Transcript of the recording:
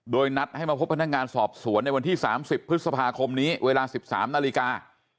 โดยนัดให้มาพบพนักงานสอบสวนในวันที่๓๐พฤษภาคมนี้เวลา๑๓นาฬิกา